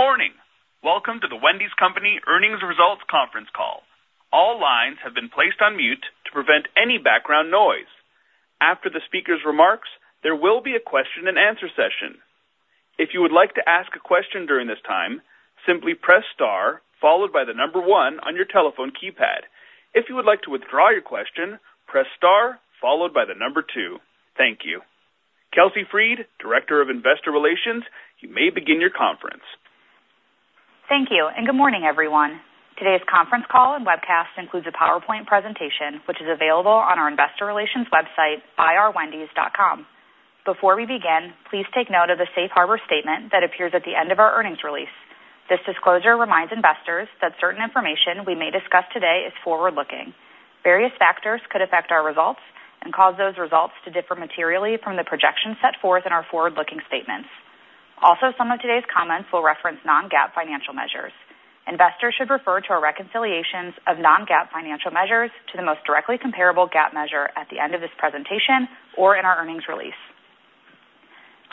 Good morning. Welcome to The Wendy's Company earnings results conference call. All lines have been placed on mute to prevent any background noise. After the speaker's remarks, there will be a question-and-answer session. If you would like to ask a question during this time, simply press * followed by the number 1 on your telephone keypad. If you would like to withdraw your question, press * followed by the number 2. Thank you. Kelsey Freed, Director of Investor Relations, you may begin your conference. Thank you, and good morning, everyone. Today's conference call and webcast includes a PowerPoint presentation, which is available on our Investor Relations website ir.wendys.com. Before we begin, please take note of the Safe Harbor Statement that appears at the end of our earnings release. This disclosure reminds investors that certain information we may discuss today is forward-looking. Various factors could affect our results and cause those results to differ materially from the projections set forth in our forward-looking statements. Also, some of today's comments will reference non-GAAP financial measures. Investors should refer to our reconciliations of non-GAAP financial measures to the most directly comparable GAAP measure at the end of this presentation or in our earnings release.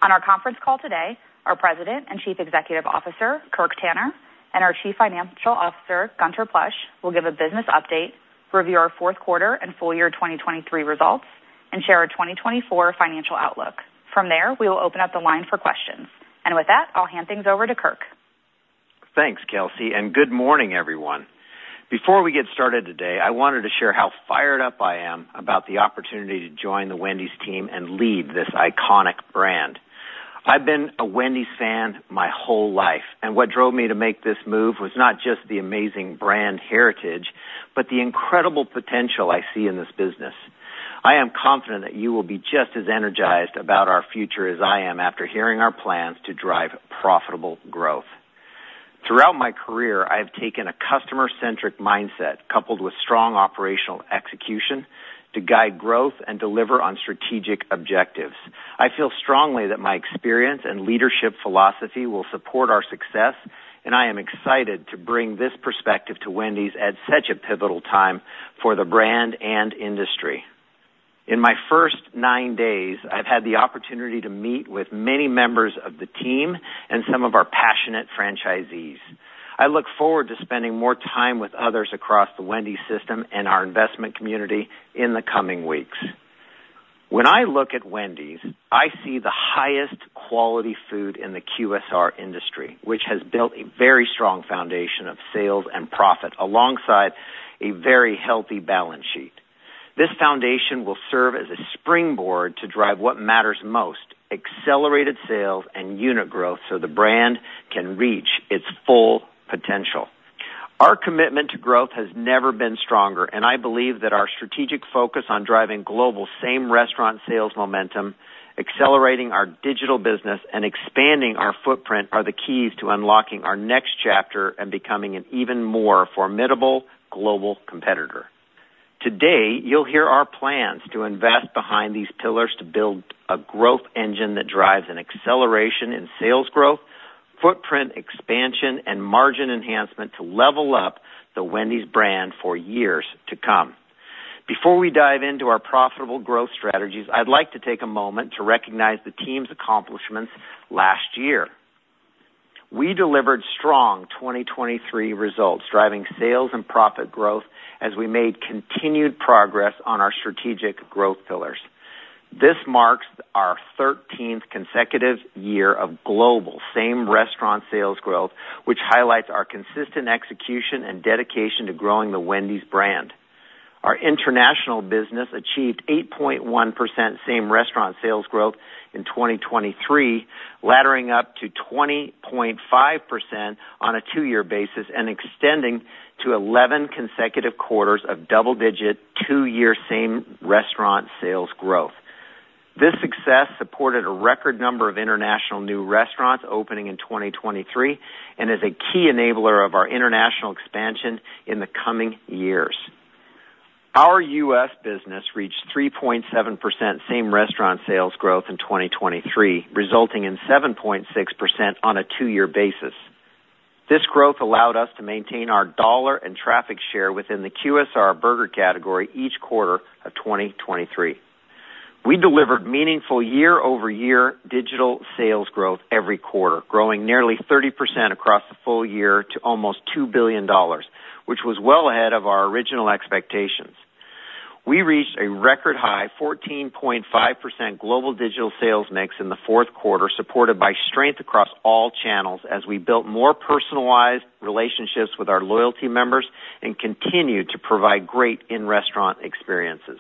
On our conference call today, our President and Chief Executive Officer, Kirk Tanner, and our Chief Financial Officer, Gunther Plosch, will give a business update, review our fourth quarter and full year 2023 results, and share a 2024 financial outlook. From there, we will open up the line for questions. And with that, I'll hand things over to Kirk. Thanks, Kelsey, and good morning, everyone. Before we get started today, I wanted to share how fired up I am about the opportunity to join the Wendy's team and lead this iconic brand. I've been a Wendy's fan my whole life, and what drove me to make this move was not just the amazing brand heritage but the incredible potential I see in this business. I am confident that you will be just as energized about our future as I am after hearing our plans to drive profitable growth. Throughout my career, I have taken a customer-centric mindset coupled with strong operational execution to guide growth and deliver on strategic objectives. I feel strongly that my experience and leadership philosophy will support our success, and I am excited to bring this perspective to Wendy's at such a pivotal time for the brand and industry. In my first nine days, I've had the opportunity to meet with many members of the team and some of our passionate franchisees. I look forward to spending more time with others across the Wendy's system and our investment community in the coming weeks. When I look at Wendy's, I see the highest-quality food in the QSR industry, which has built a very strong foundation of sales and profit alongside a very healthy balance sheet. This foundation will serve as a springboard to drive what matters most: accelerated sales and unit growth so the brand can reach its full potential. Our commitment to growth has never been stronger, and I believe that our strategic focus on driving global same-restaurant sales momentum, accelerating our digital business, and expanding our footprint are the keys to unlocking our next chapter and becoming an even more formidable global competitor. Today, you'll hear our plans to invest behind these pillars to build a growth engine that drives an acceleration in sales growth, footprint expansion, and margin enhancement to level up the Wendy's brand for years to come. Before we dive into our profitable growth strategies, I'd like to take a moment to recognize the team's accomplishments last year. We delivered strong 2023 results, driving sales and profit growth as we made continued progress on our strategic growth pillars. This marks our 13th consecutive year of global same-restaurant sales growth, which highlights our consistent execution and dedication to growing The Wendy's brand. Our international business achieved 8.1% same-restaurant sales growth in 2023, laddering up to 20.5% on a two-year basis and extending to 11 consecutive quarters of double-digit two-year same-restaurant sales growth. This success supported a record number of international new restaurants opening in 2023 and is a key enabler of our international expansion in the coming years. Our U.S. business reached 3.7% same-restaurant sales growth in 2023, resulting in 7.6% on a two-year basis. This growth allowed us to maintain our dollar and traffic share within the QSR burger category each quarter of 2023. We delivered meaningful year-over-year digital sales growth every quarter, growing nearly 30% across the full year to almost $2 billion, which was well ahead of our original expectations. We reached a record high 14.5% global digital sales mix in the fourth quarter, supported by strength across all channels as we built more personalized relationships with our loyalty members and continued to provide great in-restaurant experiences.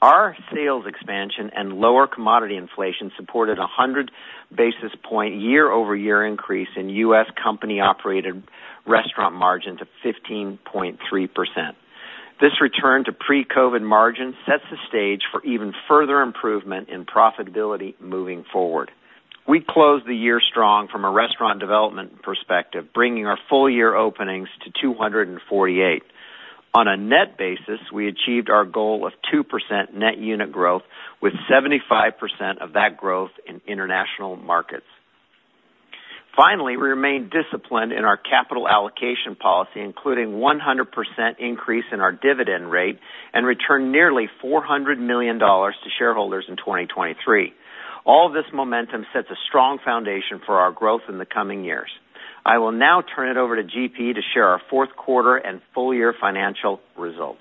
Our sales expansion and lower commodity inflation supported a 100-basis-point year-over-year increase in US company-operated restaurant margin to 15.3%. This return to pre-COVID margin sets the stage for even further improvement in profitability moving forward. We closed the year strong from a restaurant development perspective, bringing our full-year openings to 248. On a net basis, we achieved our goal of 2% net unit growth, with 75% of that growth in international markets. Finally, we remained disciplined in our capital allocation policy, including a 100% increase in our dividend rate and returned nearly $400 million to shareholders in 2023. All of this momentum sets a strong foundation for our growth in the coming years. I will now turn it over to GP to share our fourth quarter and full-year financial results.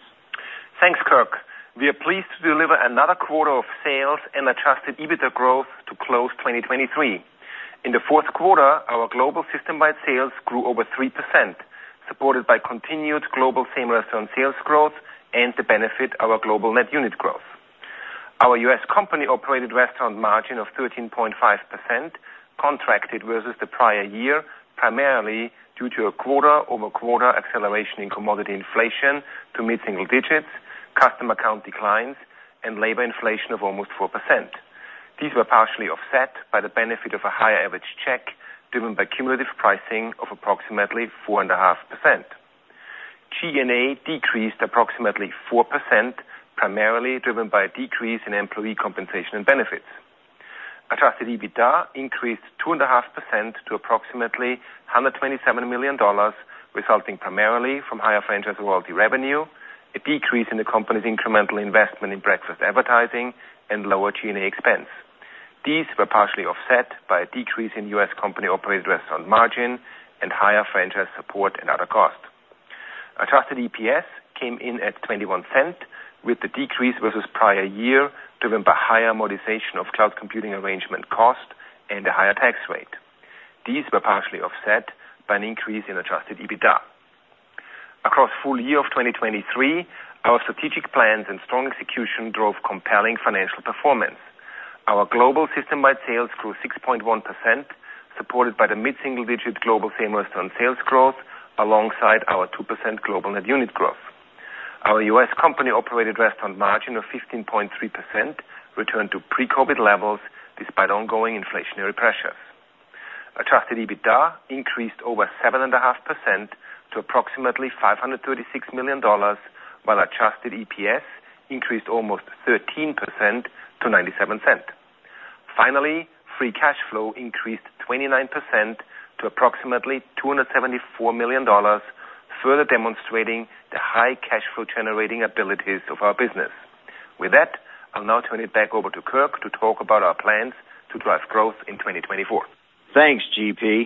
Thanks, Kirk. We are pleased to deliver another quarter of sales and Adjusted EBITDA growth to close 2023. In the fourth quarter, our global system-wide sales grew over 3%, supported by continued global same-restaurant sales growth and to benefit our global net unit growth. Our US company-operated restaurant margin of 13.5% contracted versus the prior year, primarily due to a quarter-over-quarter acceleration in commodity inflation to mid-single digits, customer account declines, and labor inflation of almost 4%. These were partially offset by the benefit of a higher average check driven by cumulative pricing of approximately 4.5%. G&A decreased approximately 4%, primarily driven by a decrease in employee compensation and benefits. Adjusted EBITDA increased 2.5% to approximately $127 million, resulting primarily from higher franchise royalty revenue, a decrease in the company's incremental investment in breakfast advertising, and lower G&A expense. These were partially offset by a decrease in U.S. company-operated restaurant margin and higher franchise support and other costs. Adjusted EPS came in at $0.21, with the decrease versus prior year driven by higher amortization of cloud computing arrangement cost and a higher tax rate. These were partially offset by an increase in Adjusted EBITDA. Across the full year of 2023, our strategic plans and strong execution drove compelling financial performance. Our global system-wide sales grew 6.1%, supported by the mid-single digit global same-restaurant sales growth alongside our 2% global net unit growth. Our US company-operated restaurant margin of 15.3% returned to pre-COVID levels despite ongoing inflationary pressures. Adjusted EBITDA increased over 7.5% to approximately $536 million, while Adjusted EPS increased almost 13% to $0.97. Finally, free cash flow increased 29% to approximately $274 million, further demonstrating the high cash flow-generating abilities of our business. With that, I'll now turn it back over to Kirk to talk about our plans to drive growth in 2024. Thanks, GP.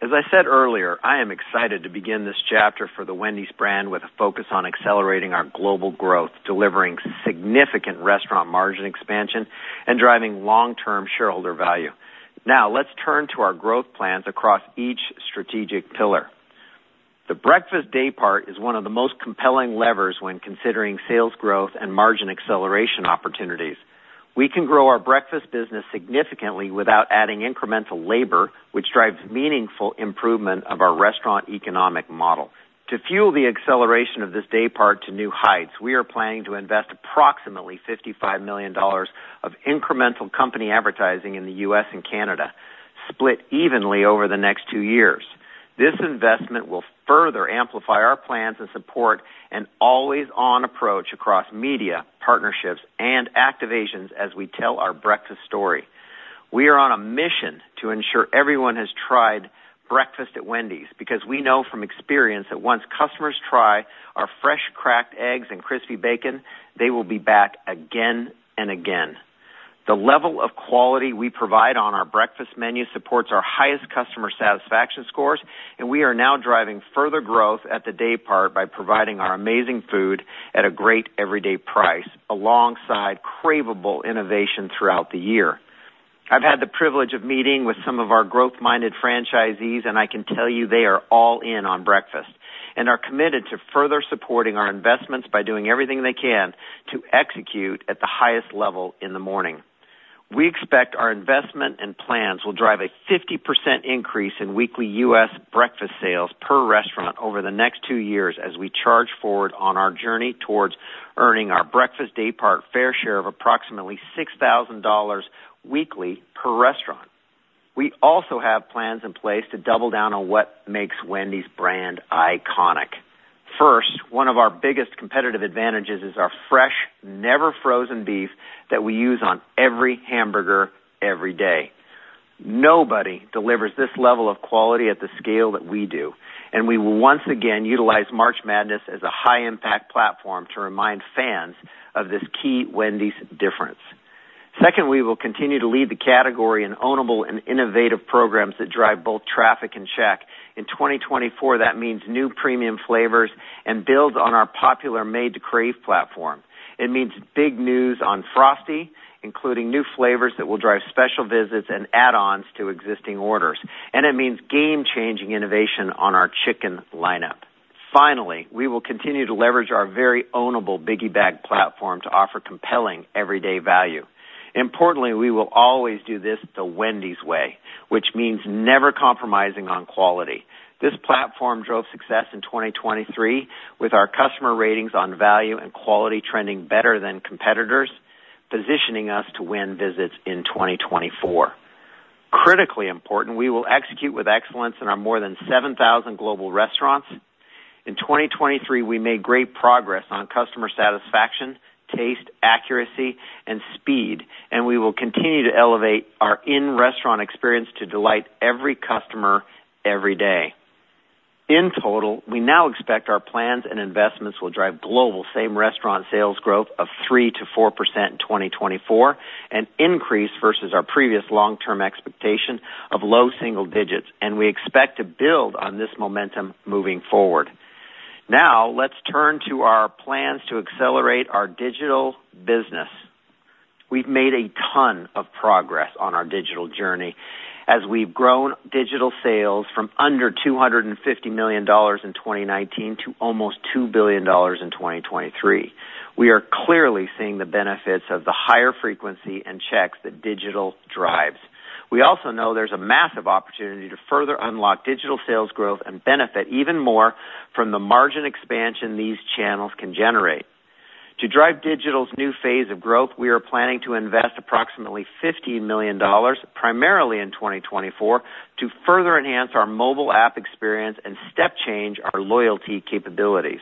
As I said earlier, I am excited to begin this chapter for the Wendy's brand with a focus on accelerating our global growth, delivering significant restaurant margin expansion, and driving long-term shareholder value. Now, let's turn to our growth plans across each strategic pillar. The breakfast day part is one of the most compelling levers when considering sales growth and margin acceleration opportunities. We can grow our breakfast business significantly without adding incremental labor, which drives meaningful improvement of our restaurant economic model. To fuel the acceleration of this day part to new heights, we are planning to invest approximately $55 million of incremental company advertising in the U.S. and Canada, split evenly over the next two years. This investment will further amplify our plans and support an always-on approach across media, partnerships, and activations as we tell our breakfast story. We are on a mission to ensure everyone has tried breakfast at Wendy's because we know from experience that once customers try our fresh cracked eggs and crispy bacon, they will be back again and again. The level of quality we provide on our breakfast menu supports our highest customer satisfaction scores, and we are now driving further growth at the day part by providing our amazing food at a great everyday price alongside craveable innovation throughout the year. I've had the privilege of meeting with some of our growth-minded franchisees, and I can tell you they are all in on breakfast and are committed to further supporting our investments by doing everything they can to execute at the highest level in the morning. We expect our investment and plans will drive a 50% increase in weekly U.S. Breakfast sales per restaurant over the next two years as we charge forward on our journey towards earning our breakfast day part fair share of approximately $6,000 weekly per restaurant. We also have plans in place to double down on what makes Wendy's brand iconic. First, one of our biggest competitive advantages is our fresh, never-frozen beef that we use on every hamburger every day. Nobody delivers this level of quality at the scale that we do, and we will once again utilize March Madness as a high-impact platform to remind fans of this key Wendy's difference. Second, we will continue to lead the category in ownable and innovative programs that drive both traffic and check. In 2024, that means new premium flavors and builds on our popular Made to Crave platform. It means big news on Frosty, including new flavors that will drive special visits and add-ons to existing orders. And it means game-changing innovation on our chicken lineup. Finally, we will continue to leverage our very ownable Biggie Bag platform to offer compelling everyday value. Importantly, we will always do this the Wendy's way, which means never compromising on quality. This platform drove success in 2023 with our customer ratings on value and quality trending better than competitors, positioning us to win visits in 2024. Critically important, we will execute with excellence in our more than 7,000 global restaurants. In 2023, we made great progress on customer satisfaction, taste, accuracy, and speed, and we will continue to elevate our in-restaurant experience to delight every customer every day. In total, we now expect our plans and investments will drive global same-restaurant sales growth of 3% to 4% in 2024, an increase versus our previous long-term expectation of low single digits, and we expect to build on this momentum moving forward. Now, let's turn to our plans to accelerate our digital business. We've made a ton of progress on our digital journey as we've grown digital sales from under $250 million in 2019 to almost $2 billion in 2023. We are clearly seeing the benefits of the higher frequency and checks that digital drives. We also know there's a massive opportunity to further unlock digital sales growth and benefit even more from the margin expansion these channels can generate. To drive digital's new phase of growth, we are planning to invest approximately $15 million, primarily in 2024, to further enhance our mobile app experience and step-change our loyalty capabilities.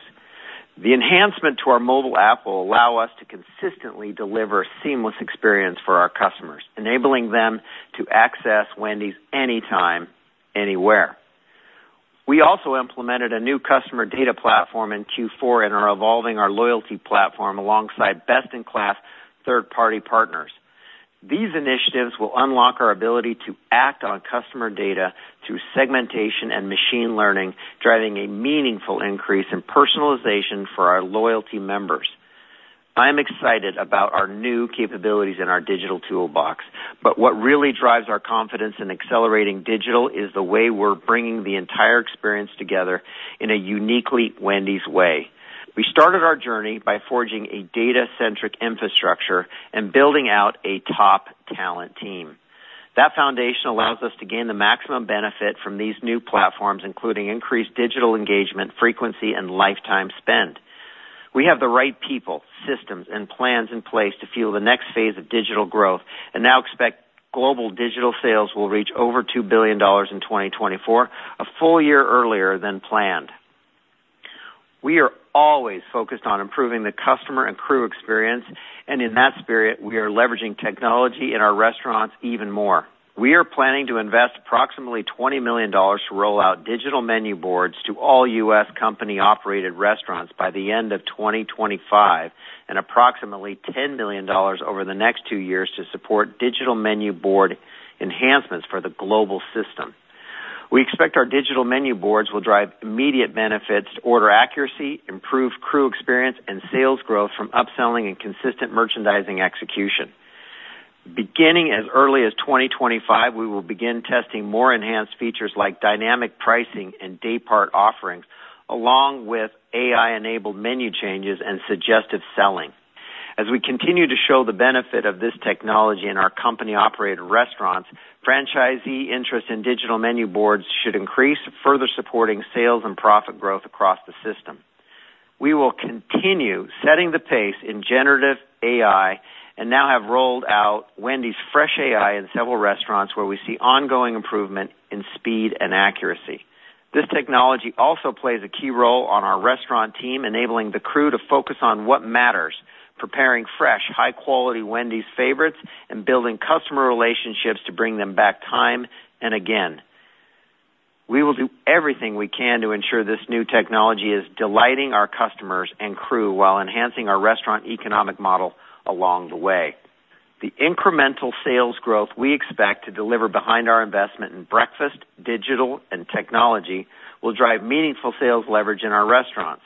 The enhancement to our mobile app will allow us to consistently deliver a seamless experience for our customers, enabling them to access Wendy's anytime, anywhere. We also implemented a new customer data platform in Q4 and are evolving our loyalty platform alongside best-in-class third-party partners. These initiatives will unlock our ability to act on customer data through segmentation and machine learning, driving a meaningful increase in personalization for our loyalty members. I am excited about our new capabilities in our digital toolbox, but what really drives our confidence in accelerating digital is the way we're bringing the entire experience together in a uniquely Wendy's way. We started our journey by forging a data-centric infrastructure and building out a top talent team. That foundation allows us to gain the maximum benefit from these new platforms, including increased digital engagement, frequency, and lifetime spend. We have the right people, systems, and plans in place to fuel the next phase of digital growth and now expect global digital sales will reach over $2 billion in 2024, a full year earlier than planned. We are always focused on improving the customer and crew experience, and in that spirit, we are leveraging technology in our restaurants even more. We are planning to invest approximately $20 million to roll out digital menu boards to all US company-operated restaurants by the end of 2025 and approximately $10 million over the next two years to support digital menu board enhancements for the global system. We expect our digital menu boards will drive immediate benefits to order accuracy, improved crew experience, and sales growth from upselling and consistent merchandising execution. Beginning as early as 2025, we will begin testing more enhanced features like dynamic pricing and day part offerings, along with AI-enabled menu changes and suggestive selling. As we continue to show the benefit of this technology in our company-operated restaurants, franchisee interest in digital menu boards should increase, further supporting sales and profit growth across the system. We will continue setting the pace in generative AI and now have rolled out Wendy's FreshAI in several restaurants where we see ongoing improvement in speed and accuracy. This technology also plays a key role on our restaurant team, enabling the crew to focus on what matters, preparing fresh, high-quality Wendy's favorites, and building customer relationships to bring them back time and again. We will do everything we can to ensure this new technology is delighting our customers and crew while enhancing our restaurant economic model along the way. The incremental sales growth we expect to deliver behind our investment in breakfast, digital, and technology will drive meaningful sales leverage in our restaurants.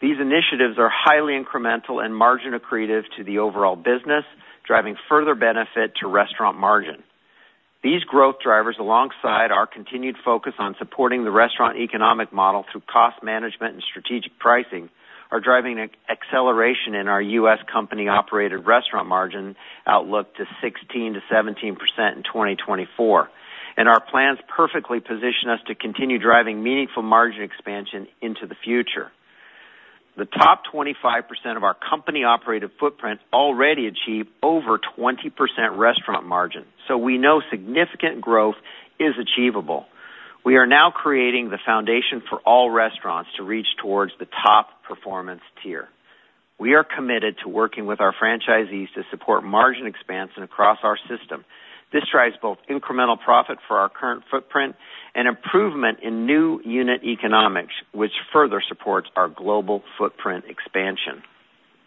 These initiatives are highly incremental and margin accretive to the overall business, driving further benefit to restaurant margin. These growth drivers, alongside our continued focus on supporting the restaurant economic model through cost management and strategic pricing, are driving acceleration in our US company-operated restaurant margin outlook to 16%-17% in 2024, and our plans perfectly position us to continue driving meaningful margin expansion into the future. The top 25% of our company-operated footprint already achieve over 20% restaurant margin, so we know significant growth is achievable. We are now creating the foundation for all restaurants to reach towards the top performance tier. We are committed to working with our franchisees to support margin expansion across our system. This drives both incremental profit for our current footprint and improvement in new unit economics, which further supports our global footprint expansion.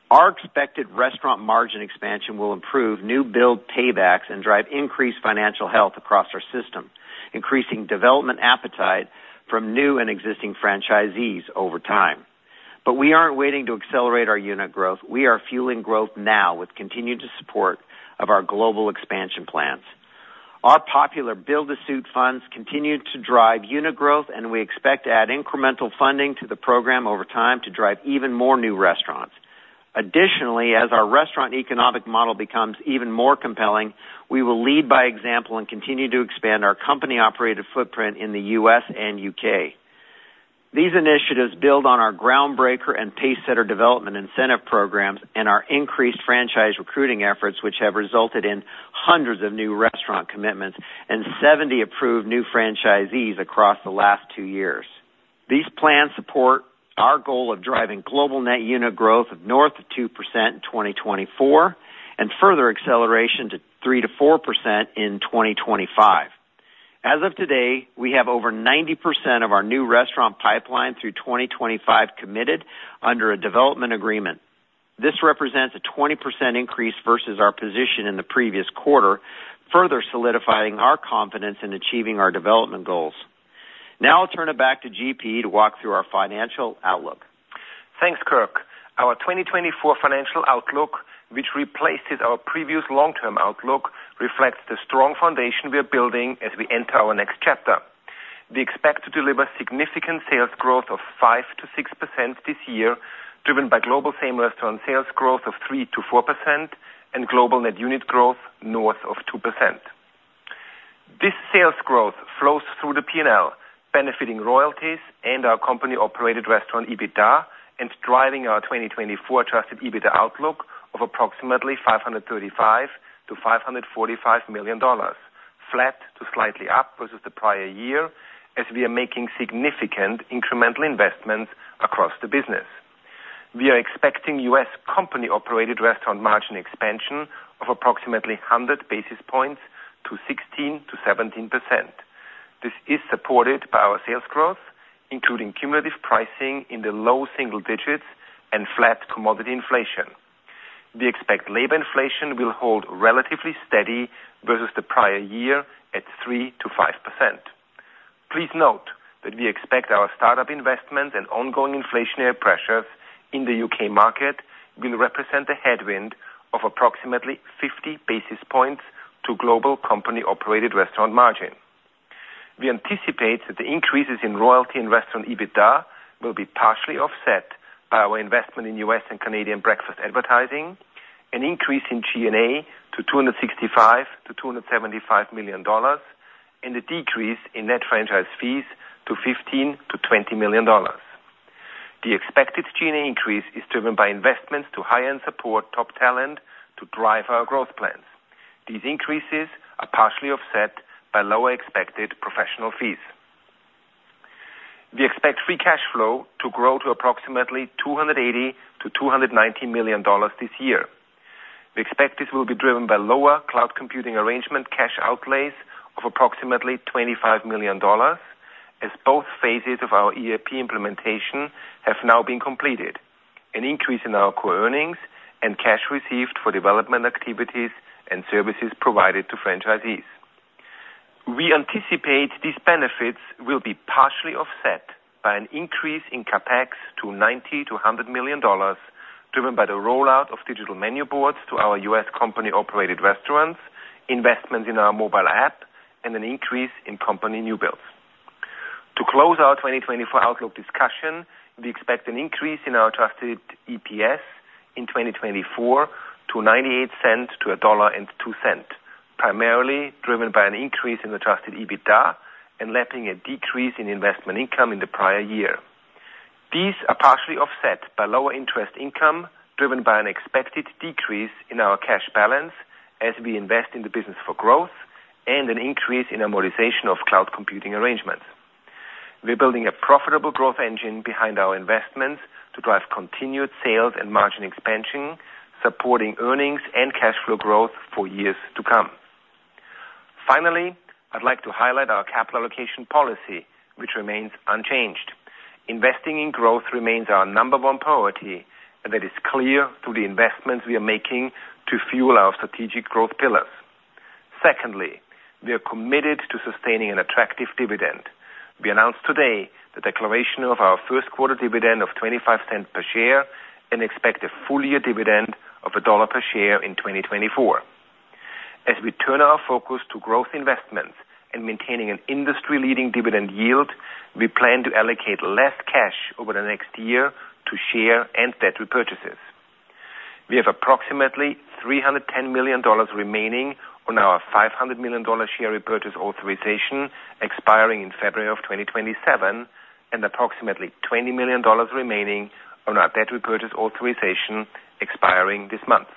Our expected restaurant margin expansion will improve new build paybacks and drive increased financial health across our system, increasing development appetite from new and existing franchisees over time. But we aren't waiting to accelerate our unit growth. We are fueling growth now with continued support of our global expansion plans. Our popular Build to Suit funds continue to drive unit growth, and we expect to add incremental funding to the program over time to drive even more new restaurants. Additionally, as our restaurant economic model becomes even more compelling, we will lead by example and continue to expand our company-operated footprint in the U.S. and U.K. These initiatives build on our Groundbreaker and Pacesetter development incentive programs and our increased franchise recruiting efforts, which have resulted in hundreds of new restaurant commitments and 70 approved new franchisees across the last two years. These plans support our goal of driving global net unit growth of north of 2% in 2024 and further acceleration to 3% to 4% in 2025. As of today, we have over 90% of our new restaurant pipeline through 2025 committed under a development agreement. This represents a 20% increase versus our position in the previous quarter, further solidifying our confidence in achieving our development goals. Now I'll turn it back to GP to walk through our financial outlook. Thanks, Kirk. Our 2024 financial outlook, which replaces our previous long-term outlook, reflects the strong foundation we are building as we enter our next chapter. We expect to deliver significant sales growth of 5% to 6% this year, driven by global same-restaurant sales growth of 3% to 4% and global net unit growth north of 2%. This sales growth flows through the P&L, benefiting royalties and our company-operated restaurant EBITDA and driving our 2024 Adjusted EBITDA outlook of approximately $535-$545 million, flat to slightly up versus the prior year, as we are making significant incremental investments across the business. We are expecting US company-operated restaurant margin expansion of approximately 100 basis points to 16%-17%. This is supported by our sales growth, including cumulative pricing in the low single digits and flat commodity inflation. We expect labor inflation will hold relatively steady versus the prior year at 3%-5%. Please note that we expect our startup investments and ongoing inflationary pressures in the UK market will represent a headwind of approximately 50 basis points to global company-operated restaurant margin. We anticipate that the increases in royalty and restaurant EBITDA will be partially offset by our investment in U.S. and Canadian breakfast advertising, an increase in G&A to $265-$275 million, and a decrease in net franchise fees to $15-$20 million. The expected G&A increase is driven by investments to hire and support top talent to drive our growth plans. These increases are partially offset by lower expected professional fees. We expect free cash flow to grow to approximately $280-$290 million this year. We expect this will be driven by lower cloud computing arrangement cash outlays of approximately $25 million, as both phases of our EAP implementation have now been completed, an increase in our core earnings, and cash received for development activities and services provided to franchisees. We anticipate these benefits will be partially offset by an increase in CAPEX to $90 to $100 million, driven by the rollout of digital menu boards to our U.S. company-operated restaurants, investments in our mobile app, and an increase in company new builds. To close our 2024 outlook discussion, we expect an increase in our Adjusted EPS in 2024 to $0.98-$1.02, primarily driven by an increase in the Adjusted EBITDA and lapping a decrease in investment income in the prior year. These are partially offset by lower interest income driven by an expected decrease in our cash balance as we invest in the business for growth and an increase in amortization of cloud computing arrangements. We are building a profitable growth engine behind our investments to drive continued sales and margin expansion, supporting earnings and cash flow growth for years to come. Finally, I'd like to highlight our capital allocation policy, which remains unchanged. Investing in growth remains our number one priority, and that is clear through the investments we are making to fuel our strategic growth pillars. Secondly, we are committed to sustaining an attractive dividend. We announced today the declaration of our first quarter dividend of $0.25 per share and expect a full-year dividend of $1 per share in 2024. As we turn our focus to growth investments and maintaining an industry-leading dividend yield, we plan to allocate less cash over the next year to share and debt repurchases. We have approximately $310 million remaining on our $500 million share repurchase authorization expiring in February of 2027 and approximately $20 million remaining on our debt repurchase authorization expiring this month.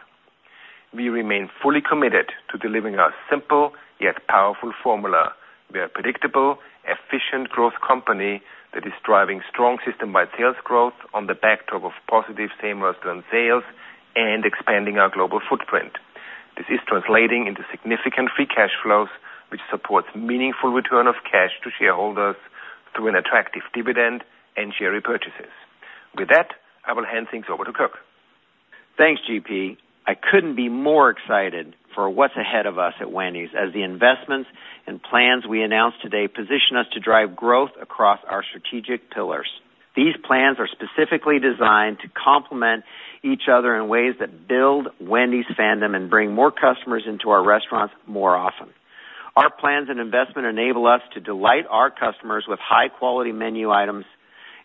We remain fully committed to delivering our simple yet powerful formula. We are a predictable, efficient growth company that is driving strong system-wide sales growth on the backdrop of positive same-restaurant sales and expanding our global footprint. This is translating into significant free cash flows, which supports meaningful return of cash to shareholders through an attractive dividend and share repurchases. With that, I will hand things over to Kirk. Thanks, GP. I couldn't be more excited for what's ahead of us at Wendy's as the investments and plans we announced today position us to drive growth across our strategic pillars. These plans are specifically designed to complement each other in ways that build Wendy's fandom and bring more customers into our restaurants more often. Our plans and investment enable us to delight our customers with high-quality menu items,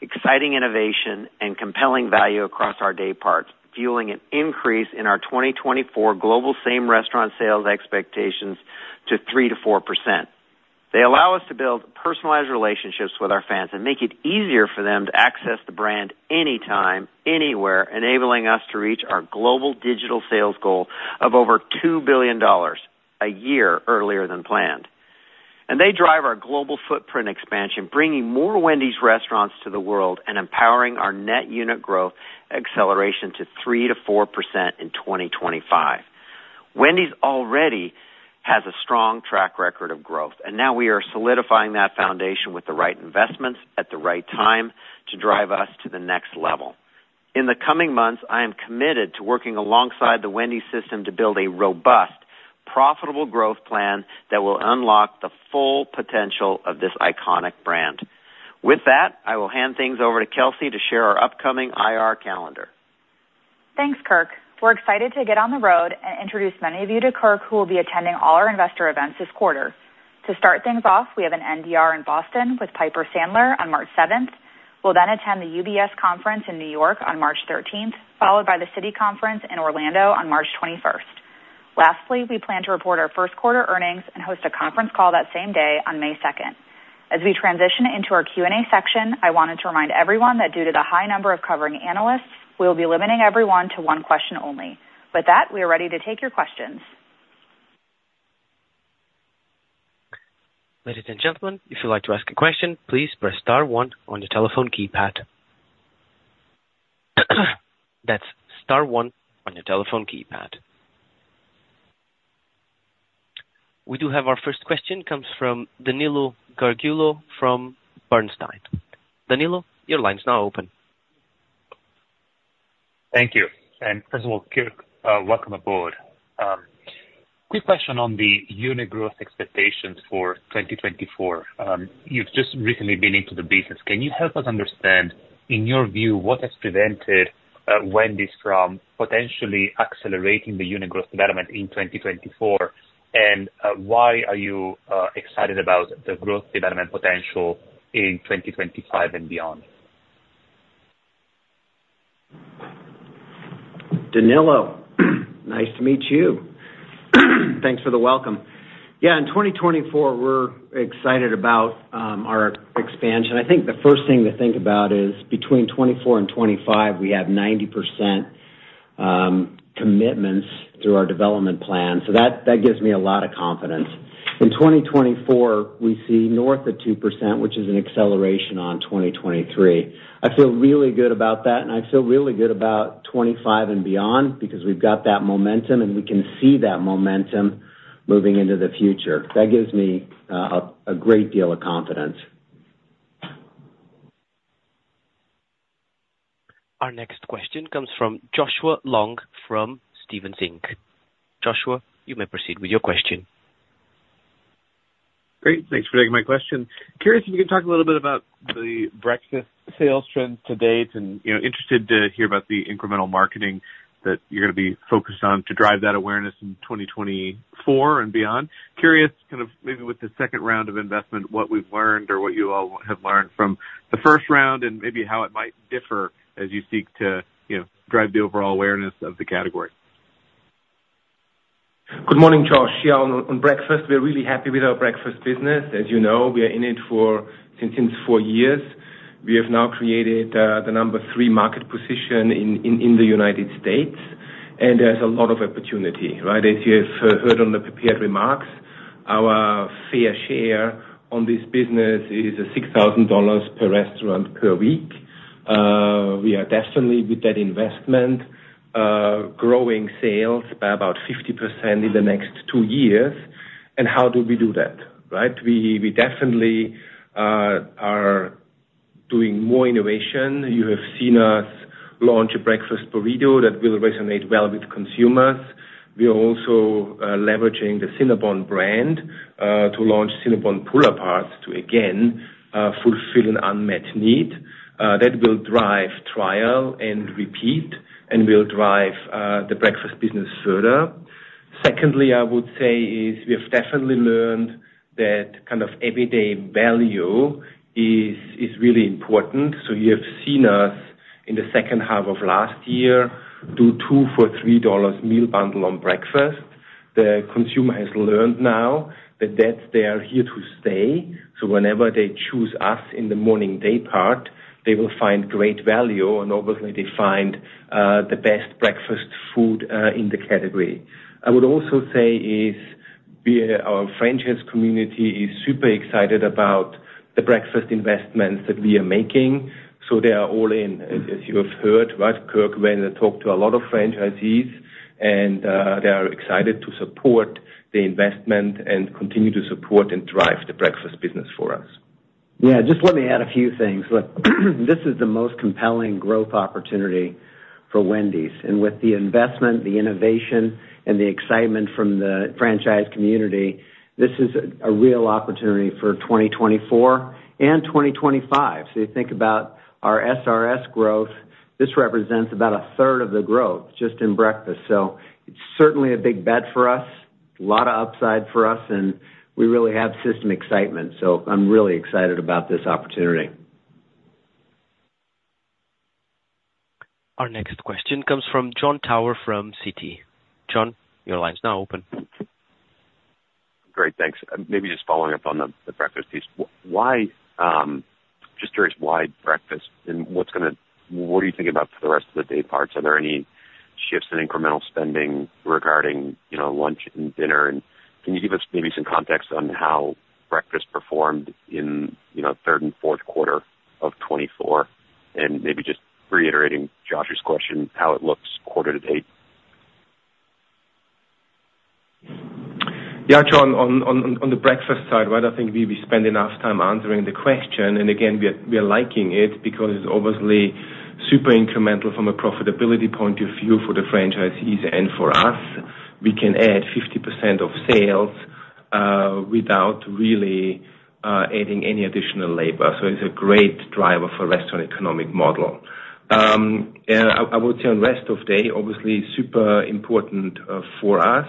exciting innovation, and compelling value across our dayparts, fueling an increase in our 2024 global same-restaurant sales expectations to 3% to 4%. They allow us to build personalized relationships with our fans and make it easier for them to access the brand anytime, anywhere, enabling us to reach our global digital sales goal of over $2 billion a year earlier than planned. They drive our global footprint expansion, bringing more Wendy's restaurants to the world and empowering our net unit growth acceleration to 3% to 4% in 2025. Wendy's already has a strong track record of growth, and now we are solidifying that foundation with the right investments at the right time to drive us to the next level. In the coming months, I am committed to working alongside the Wendy's system to build a robust, profitable growth plan that will unlock the full potential of this iconic brand. With that, I will hand things over to Kelsey to share our upcoming IR calendar. Thanks, Kirk. We're excited to get on the road and introduce many of you to Kirk, who will be attending all our investor events this quarter. To start things off, we have an NDR in Boston with Piper Sandler on March 7th. We'll then attend the UBS Conference in New York on March 13th, followed by the Citi Conference in Orlando on March 21st. Lastly, we plan to report our first quarter earnings and host a conference call that same day on May 2nd. As we transition into our Q&A section, I wanted to remind everyone that due to the high number of covering analysts, we will be limiting everyone to one question only. With that, we are ready to take your questions. Ladies and gentlemen, if you'd like to ask a question, please press star one on your telephone keypad. That's star one on your telephone keypad. We do have our first question. It comes from Danilo Gargiulo from Bernstein. Danilo, your line's now open. Thank you. And first of all, Kirk, welcome aboard. Quick question on the unit growth expectations for 2024. You've just recently been into the business. Can you help us understand, in your view, what has prevented Wendy's from potentially accelerating the unit growth development in 2024, and why are you excited about the growth development potential in 2025 and beyond? Danilo, nice to meet you. Thanks for the welcome. Yeah, in 2024, we're excited about our expansion. I think the first thing to think about is between 2024 and 2025, we have 90% commitments through our development plan, so that gives me a lot of confidence. In 2024, we see north of 2%, which is an acceleration on 2023. I feel really good about that, and I feel really good about 2025 and beyond because we've got that momentum, and we can see that momentum moving into the future. That gives me a great deal of confidence. Our next question comes from Joshua Long from Stephens Inc. Joshua, you may proceed with your question. Great. Thanks for taking my question. Curious if you could talk a little bit about the breakfast sales trends to date and interested to hear about the incremental marketing that you're going to be focused on to drive that awareness in 2024 and beyond. Curious, kind of maybe with the second round of investment, what we've learned or what you all have learned from the first round and maybe how it might differ as you seek to drive the overall awareness of the category. Good morning, Josh. Yeah, on breakfast, we're really happy with our breakfast business. As you know, we are in it since four years. We have now created the number three market position in the United States, and there's a lot of opportunity, right? As you have heard on the prepared remarks, our fair share on this business is $6,000 per restaurant per week. We are definitely, with that investment, growing sales by about 50% in the next two years. And how do we do that, right? We definitely are doing more innovation. You have seen us launch a breakfast burrito that will resonate well with consumers. We are also leveraging the Cinnabon brand to launch Cinnabon Pull-Aparts to, again, fulfill an unmet need. That will drive trial and repeat and will drive the breakfast business further. Secondly, I would say is we have definitely learned that kind of everyday value is really important. So you have seen us in the second half of last year do two for $3 meal bundle on breakfast. The consumer has learned now that that's there to stay. So whenever they choose us in the morning day part, they will find great value, and obviously, they find the best breakfast food in the category. I would also say is our franchise community is super excited about the breakfast investments that we are making. So they are all in, as you have heard, right? Kirk went and talked to a lot of franchisees, and they are excited to support the investment and continue to support and drive the breakfast business for us. Yeah, just let me add a few things. Look, this is the most compelling growth opportunity for Wendy's. And with the investment, the innovation, and the excitement from the franchise community, this is a real opportunity for 2024 and 2025. So you think about our SRS growth, this represents about a third of the growth just in breakfast. So it's certainly a big bet for us, a lot of upside for us, and we really have system excitement. So I'm really excited about this opportunity. Our next question comes from Jon Tower from Citi. John, your line's now open. Great. Thanks. Maybe just following up on the breakfast piece. Just curious, why breakfast, and what are you thinking about for the rest of the day parts? Are there any shifts in incremental spending regarding lunch and dinner? And can you give us maybe some context on how breakfast performed in third and fourth quarter of 2024? And maybe just reiterating Joshua's question, how it looks quarter to date. Yeah, Jon, on the breakfast side, right? I think we spend enough time answering the question. And again, we are liking it because it's obviously super incremental from a profitability point of view for the franchisees and for us. We can add 50% of sales without really adding any additional labor. So it's a great driver for a restaurant economic model. I would say on rest of day, obviously, super important for us.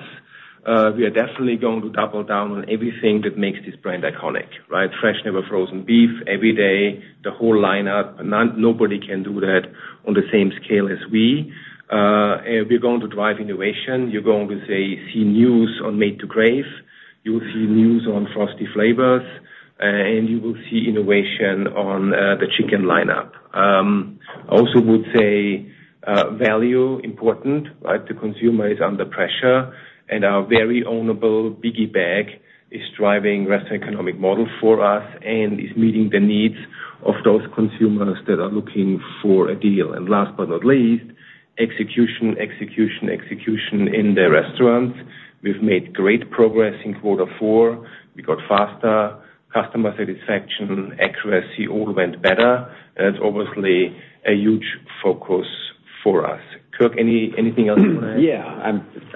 We are definitely going to double down on everything that makes this brand iconic, right? Fresh never frozen beef every day, the whole lineup. Nobody can do that on the same scale as we. We're going to drive innovation. You're going to see news on Made to Crave. You will see news on Frosty flavors, and you will see innovation on the chicken lineup. I also would say value, important, right? The consumer is under pressure, and our very ownable Biggie Bag is driving restaurant economic model for us and is meeting the needs of those consumers that are looking for a deal. Last but not least, execution, execution, execution in the restaurants. We've made great progress in quarter four. We got faster. Customer satisfaction, accuracy, all went better. That's obviously a huge focus for us. Kirk, anything else you want to add? Yeah.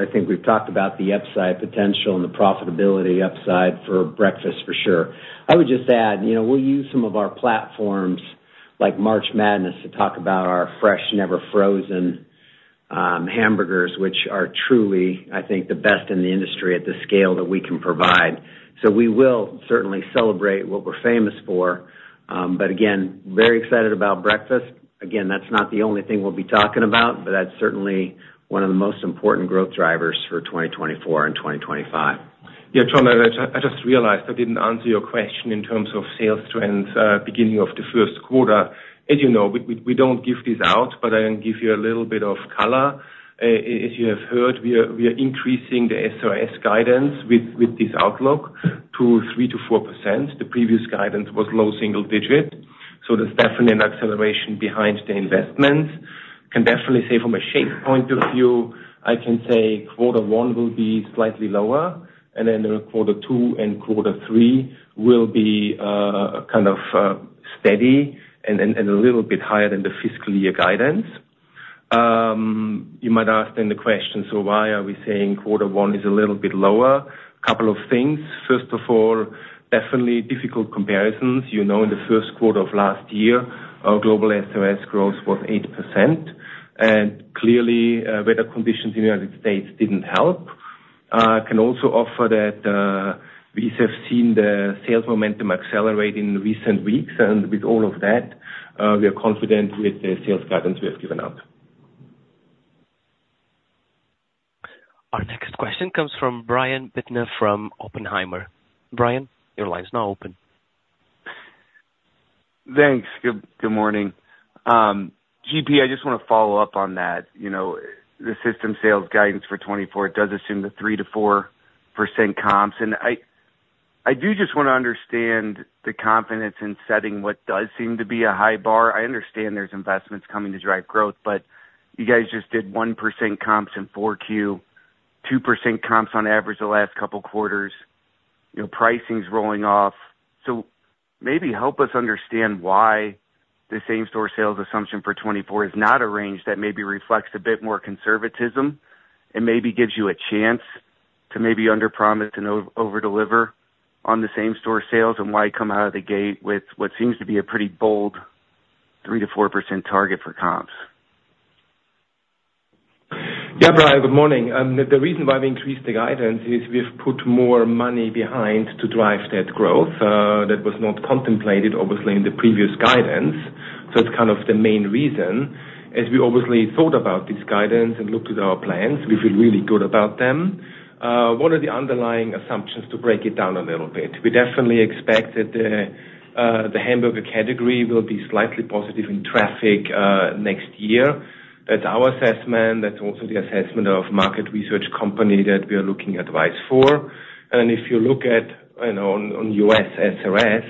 I think we've talked about the upside potential and the profitability upside for breakfast, for sure. I would just add we'll use some of our platforms like March Madness to talk about our fresh never frozen hamburgers, which are truly, I think, the best in the industry at the scale that we can provide. So we will certainly celebrate what we're famous for. But again, very excited about breakfast. Again, that's not the only thing we'll be talking about, but that's certainly one of the most important growth drivers for 2024 and 2025. Yeah, John, I just realized I didn't answer your question in terms of sales trends beginning of the first quarter. As you know, we don't give this out, but I can give you a little bit of color. As you have heard, we are increasing the SRS guidance with this outlook to 3% to 4%. The previous guidance was low single digit. So there's definitely an acceleration behind the investments. Can definitely say from a shape point of view, I can say quarter one will be slightly lower, and then quarter two and quarter three will be kind of steady and a little bit higher than the fiscal year guidance. You might ask then the question, "So why are we saying quarter one is a little bit lower?" A couple of things. First of all, definitely difficult comparisons. In the first quarter of last year, our global SRS growth was 8%. Clearly, weather conditions in the United States didn't help. I can also offer that we have seen the sales momentum accelerate in recent weeks. With all of that, we are confident with the sales guidance we have given out. Our next question comes from Brian Bittner from Oppenheimer. Brian, your line's now open. Thanks. Good morning. GP, I just want to follow up on that. The system sales guidance for 2024 does assume the 3% to 4% comps. I do just want to understand the confidence in setting what does seem to be a high bar. I understand there's investments coming to drive growth, but you guys just did 1% comps in 4Q, 2% comps on average the last couple of quarters, pricings rolling off. Maybe help us understand why the same-store sales assumption for 2024 is not a range that maybe reflects a bit more conservatism and maybe gives you a chance to maybe underpromise and overdeliver on the same-store sales and why you come out of the gate with what seems to be a pretty bold 3% to 4% target for comps. Yeah, Brian, good morning. The reason why we increased the guidance is we've put more money behind to drive that growth that was not contemplated, obviously, in the previous guidance. So it's kind of the main reason. As we obviously thought about this guidance and looked at our plans, we feel really good about them. What are the underlying assumptions to break it down a little bit? We definitely expect that the hamburger category will be slightly positive in traffic next year. That's our assessment. That's also the assessment of market research company that we are looking at advice for. And then if you look at on US SRS,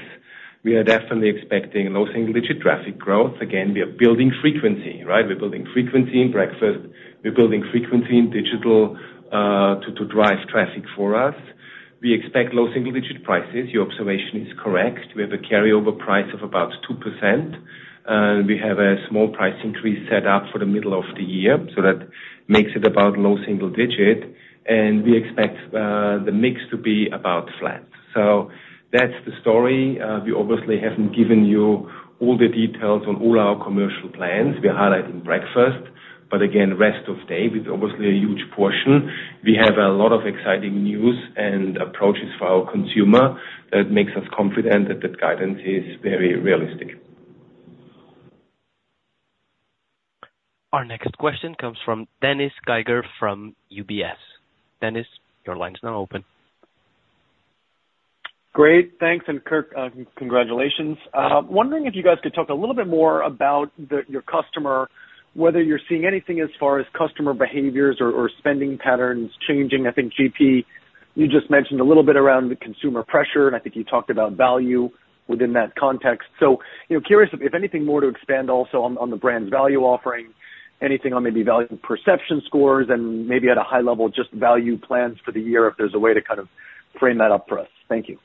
we are definitely expecting low single digit traffic growth. Again, we are building frequency, right? We're building frequency in breakfast. We're building frequency in digital to drive traffic for us. We expect low single digit prices. Your observation is correct. We have a carryover price of about 2%, and we have a small price increase set up for the middle of the year. So that makes it about low single digit. And we expect the mix to be about flat. So that's the story. We obviously haven't given you all the details on all our commercial plans. We are highlighting breakfast. But again, rest of day, it's obviously a huge portion. We have a lot of exciting news and approaches for our consumer that makes us confident that that guidance is very realistic. Our next question comes from Dennis Geiger from UBS. Dennis, your line's now open. Great. Thanks. And Kirk, congratulations. Wondering if you guys could talk a little bit more about your customer, whether you're seeing anything as far as customer behaviors or spending patterns changing. I think, GP, you just mentioned a little bit around the consumer pressure, and I think you talked about value within that context. So curious if anything more to expand also on the brand's value offering, anything on maybe value perception scores, and maybe at a high level, just value plans for the year if there's a way to kind of frame that up for us. Thank you.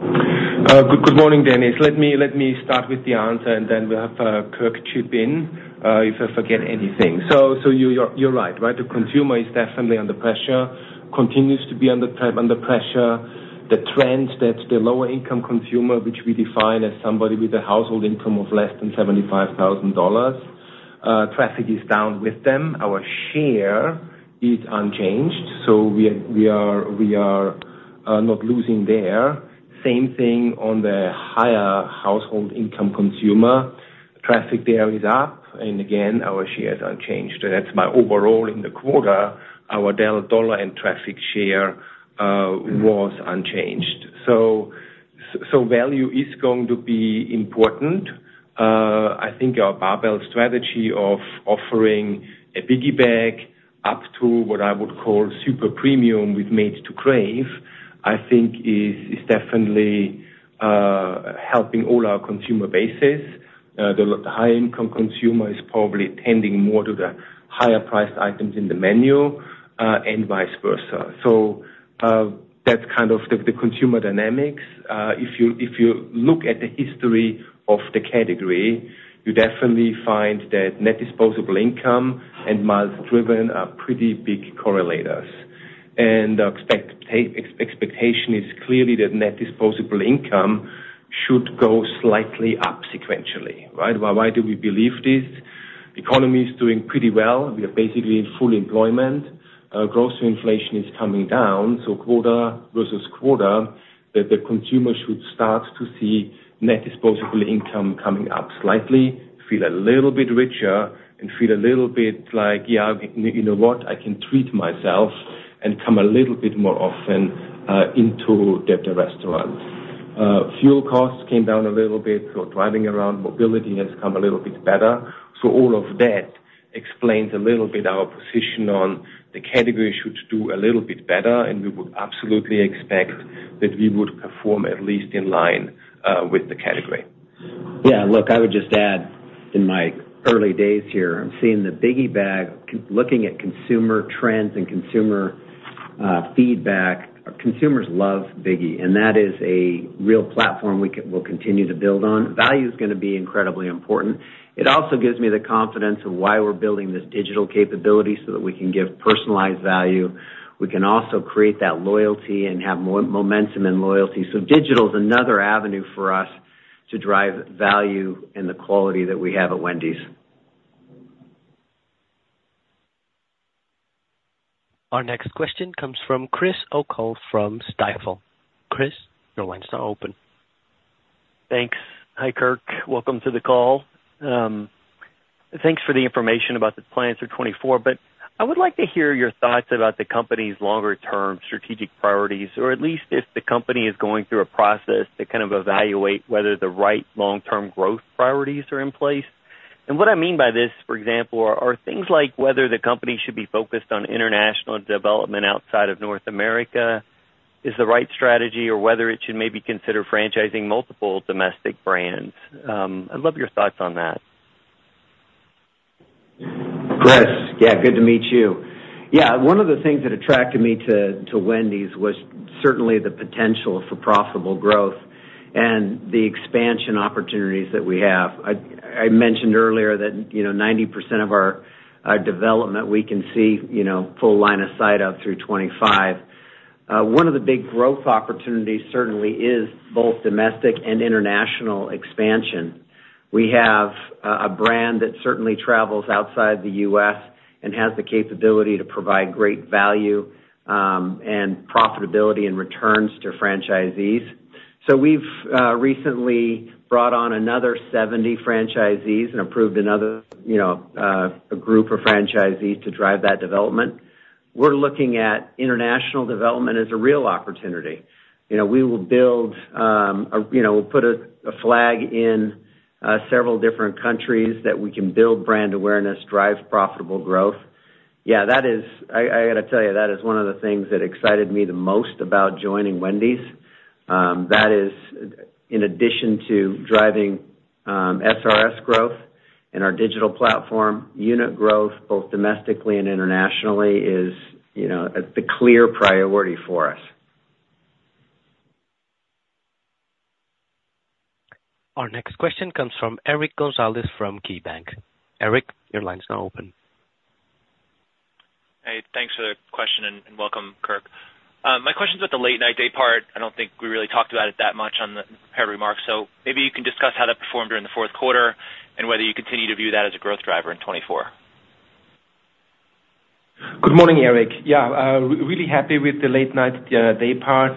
Good morning, Dennis. Let me start with the answer, and then we'll have Kirk chip in if I forget anything. So you're right, right? The consumer is definitely under pressure, continues to be under pressure. The trend that's the lower-income consumer, which we define as somebody with a household income of less than $75,000, traffic is down with them. Our share is unchanged, so we are not losing there. Same thing on the higher household income consumer. Traffic there is up. And again, our share is unchanged. And that's my overall in the quarter. Our dollar and traffic share was unchanged. So value is going to be important. I think our barbell strategy of offering a Biggie Bag up to what I would call super premium with Made to Crave, I think, is definitely helping all our consumer bases. The high-income consumer is probably tending more to the higher-priced items in the menu and vice versa. So that's kind of the consumer dynamics. If you look at the history of the category, you definitely find that net disposable income and miles driven are pretty big correlators. And expectation is clearly that net disposable income should go slightly up sequentially, right? Why do we believe this? Economy is doing pretty well. We are basically in full employment. Gross inflation is coming down. So quarter versus quarter, the consumer should start to see net disposable income coming up slightly, feel a little bit richer, and feel a little bit like, "Yeah, you know what? I can treat myself and come a little bit more often into the restaurant." Fuel costs came down a little bit, so driving around, mobility has come a little bit better. All of that explains a little bit our position on the category should do a little bit better, and we would absolutely expect that we would perform at least in line with the category. Yeah. Look, I would just add in my early days here, I'm seeing the Biggie Bag looking at consumer trends and consumer feedback. Consumers love Biggie, and that is a real platform we'll continue to build on. Value is going to be incredibly important. It also gives me the confidence of why we're building this digital capability so that we can give personalized value. We can also create that loyalty and have momentum in loyalty. So digital is another avenue for us to drive value and the quality that we have at Wendy's. Our next question comes from Chris O'Cull from Stifel. Chris, your line's now open. Thanks. Hi, Kirk. Welcome to the call. Thanks for the information about the plans for 2024, but I would like to hear your thoughts about the company's longer-term strategic priorities, or at least if the company is going through a process to kind of evaluate whether the right long-term growth priorities are in place. And what I mean by this, for example, are things like whether the company should be focused on international development outside of North America, is the right strategy, or whether it should maybe consider franchising multiple domestic brands. I'd love your thoughts on that. Chris, yeah, good to meet you. Yeah, one of the things that attracted me to Wendy's was certainly the potential for profitable growth and the expansion opportunities that we have. I mentioned earlier that 90% of our development, we can see full line of sight of through 2025. One of the big growth opportunities certainly is both domestic and international expansion. We have a brand that certainly travels outside the U.S. and has the capability to provide great value and profitability and returns to franchisees. So we've recently brought on another 70 franchisees and approved another group of franchisees to drive that development. We're looking at international development as a real opportunity. We'll put a flag in several different countries that we can build brand awareness, drive profitable growth. Yeah, I got to tell you, that is one of the things that excited me the most about joining Wendy's. That is, in addition to driving SRS growth and our digital platform, unit growth both domestically and internationally is the clear priority for us. Our next question comes from Eric Gonzalez from KeyBanc. Eric, your line's now open. Hey, thanks for the question, and welcome, Kirk. My question's about the late-night day part. I don't think we really talked about it that much on the prepared remarks. So maybe you can discuss how that performed during the fourth quarter and whether you continue to view that as a growth driver in 2024. Good morning, Eric. Yeah, really happy with the late-night day part.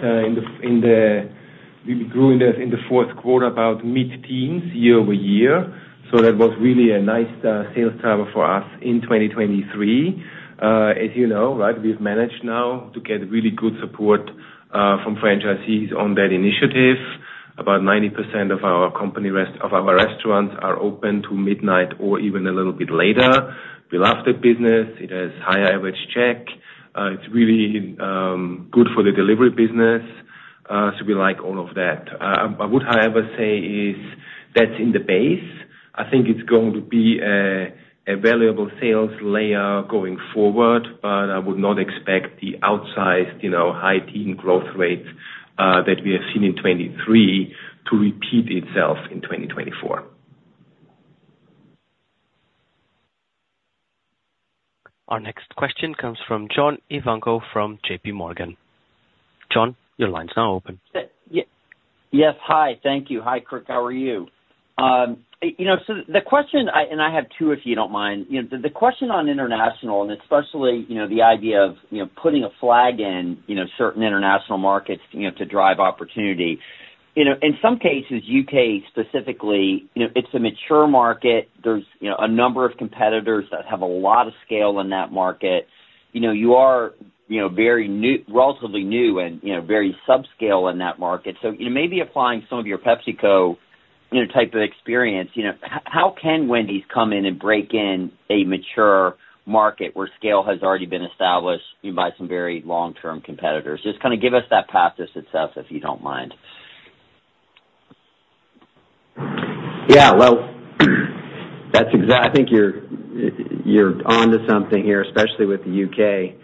We grew in the fourth quarter about mid-teens year-over-year. So that was really a nice sales driver for us in 2023. As you know, right, we've managed now to get really good support from franchisees on that initiative. About 90% of our company restaurants are open to midnight or even a little bit later. We love that business. It has higher average check. It's really good for the delivery business. So we like all of that. I would, however, say that's in the base. I think it's going to be a valuable sales layer going forward, but I would not expect the outsized high-teen growth rate that we have seen in 2023 to repeat itself in 2024. Our next question comes from John Ivankoe from JPMorgan. John, your line's now open. Yes. Hi. Thank you. Hi, Kirk. How are you? So the question and I have two if you don't mind. The question on international, and especially the idea of putting a flag in certain international markets to drive opportunity. In some cases, U.K. specifically, it's a mature market. There's a number of competitors that have a lot of scale in that market. You are relatively new and very subscale in that market. So maybe applying some of your PepsiCo type of experience, how can Wendy's come in and break in a mature market where scale has already been established by some very long-term competitors? Just kind of give us that PepsiCo itself if you don't mind. Yeah. Well, I think you're on to something here, especially with the U.K.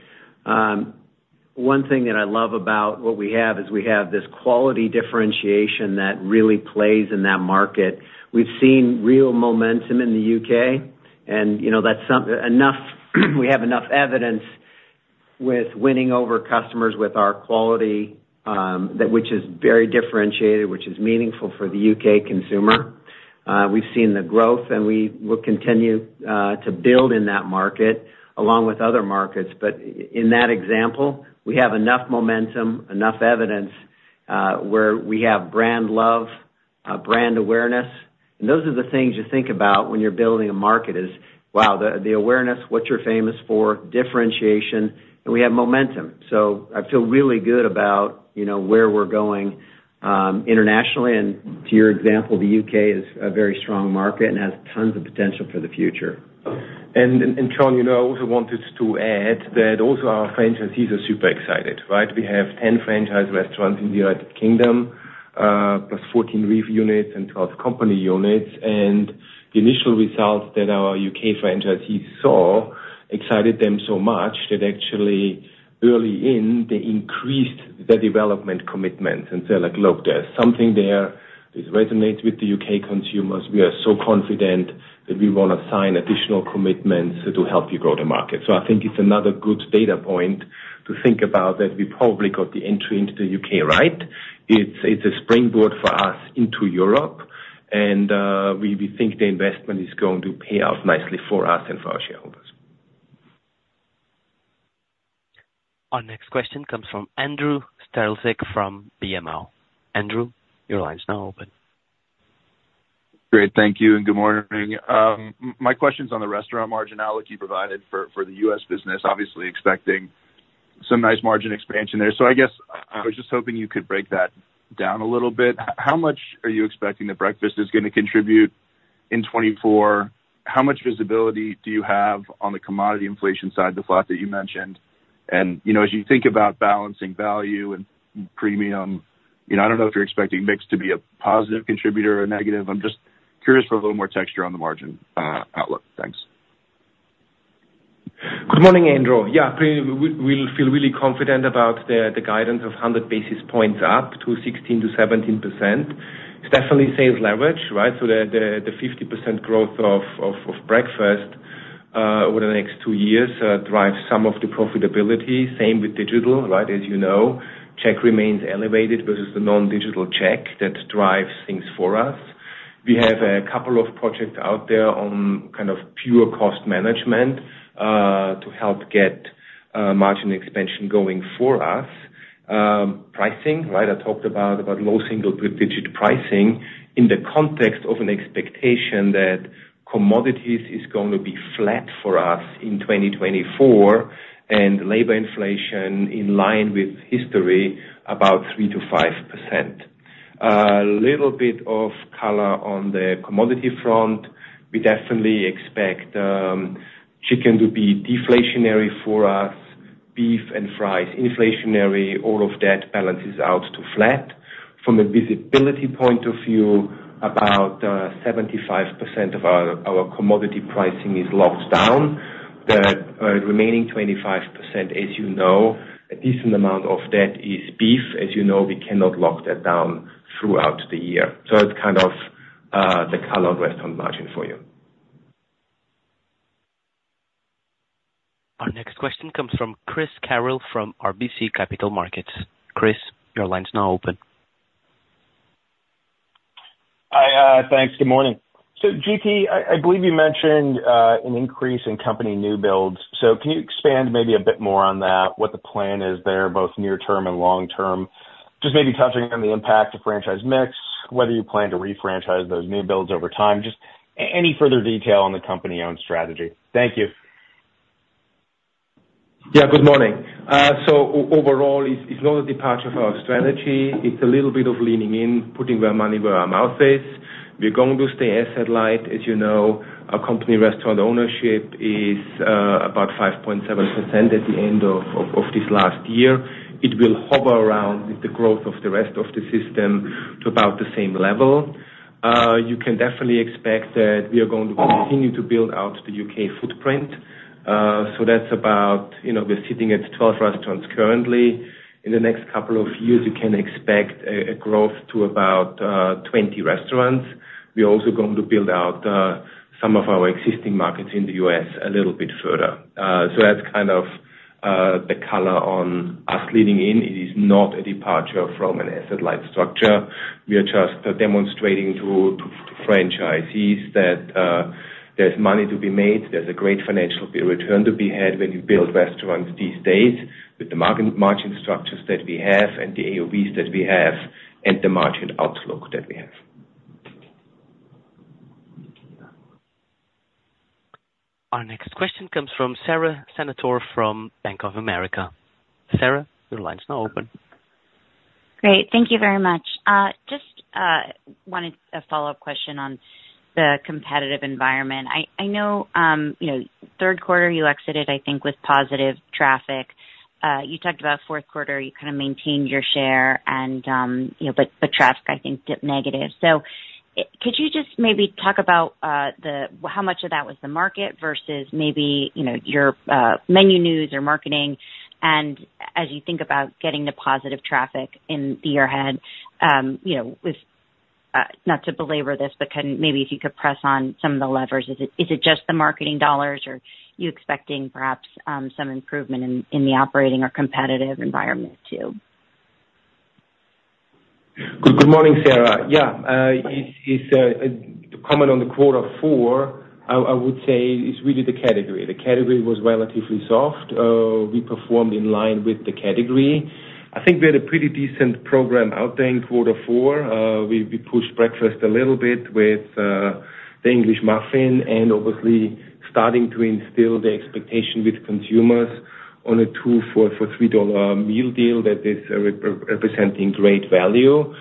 One thing that I love about what we have is we have this quality differentiation that really plays in that market. We've seen real momentum in the U.K., and we have enough evidence with winning over customers with our quality, which is very differentiated, which is meaningful for the UK consumer. We've seen the growth, and we will continue to build in that market along with other markets. But in that example, we have enough momentum, enough evidence where we have brand love, brand awareness. And those are the things you think about when you're building a market is, "Wow, the awareness, what you're famous for, differentiation, and we have momentum." So I feel really good about where we're going internationally. To your example, the U.K. is a very strong market and has tons of potential for the future. John, I also wanted to add that also our franchisees are super excited, right? We have 10 franchise restaurants in the United Kingdom +14 REEF units and 12 company units. The initial results that our UK franchisees saw excited them so much that actually, early in, they increased their development commitments. They're like, "Look, there's something there that resonates with the UK consumers. We are so confident that we want to sign additional commitments to help you grow the market." So I think it's another good data point to think about that we probably got the entry into the UK right. It's a springboard for us into Europe, and we think the investment is going to pay out nicely for us and for our shareholders. Our next question comes from Andrew Strelzik from BMO. Andrew, your line's now open. Great. Thank you and good morning. My question's on the restaurant marginality provided for the US business, obviously expecting some nice margin expansion there. So I guess I was just hoping you could break that down a little bit. How much are you expecting the breakfast is going to contribute in 2024? How much visibility do you have on the commodity inflation side, the flat that you mentioned? And as you think about balancing value and premium, I don't know if you're expecting mix to be a positive contributor or a negative. I'm just curious for a little more texture on the margin outlook. Thanks. Good morning, Andrew. Yeah, we'll feel really confident about the guidance of 100 basis points up to 16%-17%. It's definitely sales leverage, right? So the 50% growth of breakfast over the next two years drives some of the profitability. Same with digital, right? As you know, check remains elevated versus the non-digital check that drives things for us. We have a couple of projects out there on kind of pure cost management to help get margin expansion going for us. Pricing, right? I talked about low single-digit pricing in the context of an expectation that commodities is going to be flat for us in 2024 and labor inflation in line with history about 3%-5%. A little bit of color on the commodity front. We definitely expect chicken to be deflationary for us, beef and fries inflationary. All of that balances out to flat. From a visibility point of view, about 75% of our commodity pricing is locked down. The remaining 25%, as you know, a decent amount of that is beef. As you know, we cannot lock that down throughout the year. So it's kind of the color on restaurant margin for you. Our next question comes from Chris Carril from RBC Capital Markets. Chris, your line's now open. Hi. Thanks. Good morning. So GT, I believe you mentioned an increase in company new builds. So can you expand maybe a bit more on that, what the plan is there both near-term and long-term? Just maybe touching on the impact of franchise mix, whether you plan to refranchise those new builds over time, just any further detail on the company-owned strategy. Thank you. Yeah, good morning. So overall, it's not a departure of our strategy. It's a little bit of leaning in, putting our money where our mouth is. We're going to stay asset light. As you know, our company restaurant ownership is about 5.7% at the end of this last year. It will hover around with the growth of the rest of the system to about the same level. You can definitely expect that we are going to continue to build out the UK footprint. So that's about; we're sitting at 12 restaurants currently. In the next couple of years, you can expect a growth to about 20 restaurants. We're also going to build out some of our existing markets in the U.S. a little bit further. So that's kind of the color on us leaning in. It is not a departure from an asset light structure. We are just demonstrating to franchisees that there's money to be made. There's a great financial return to be had when you build restaurants these days with the margin structures that we have and the AUVs that we have and the margin outlook that we have. Our next question comes from Sara Senatore from Bank of America. Sara, your line's now open. Great. Thank you very much. Just wanted a follow-up question on the competitive environment. I know third quarter, you exited, I think, with positive traffic. You talked about fourth quarter. You kind of maintained your share, but traffic, I think, dipped negative. So could you just maybe talk about how much of that was the market versus maybe your menu news or marketing? And as you think about getting the positive traffic in the year ahead with not to belabor this, but maybe if you could press on some of the levers, is it just the marketing dollars, or are you expecting perhaps some improvement in the operating or competitive environment too? Good morning, Sarah. Yeah, it's common on the quarter four, I would say, is really the category. The category was relatively soft. We performed in line with the category. I think we had a pretty decent program out there in quarter four. We pushed breakfast a little bit with the English muffin and obviously starting to instill the expectation with consumers on a $2 for a $3 meal deal that is representing great value.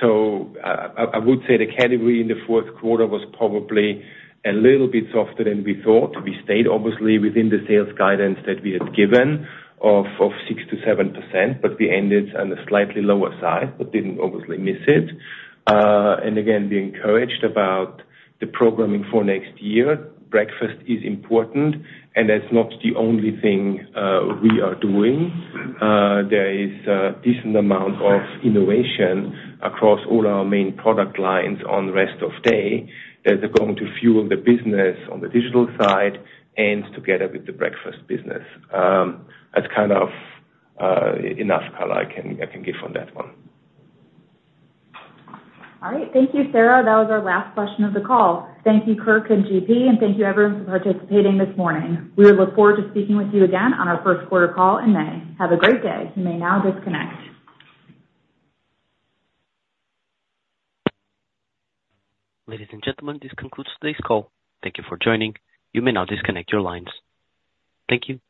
So I would say the category in the fourth quarter was probably a little bit softer than we thought. We stayed, obviously, within the sales guidance that we had given of 6%-7%, but we ended on the slightly lower side but didn't obviously miss it. And again, we encouraged about the programming for next year. Breakfast is important, and that's not the only thing we are doing. There is a decent amount of innovation across all our main product lines on the rest of day that are going to fuel the business on the digital side and together with the breakfast business. That's kind of enough color I can give on that one. All right. Thank you, Sarah. That was our last question of the call. Thank you, Kirk, and GP, and thank you, everyone, for participating this morning. We would look forward to speaking with you again on our first quarter call in May. Have a great day. You may now disconnect. Ladies and gentlemen, this concludes today's call. Thank you for joining. You may now disconnect your lines. Thank you.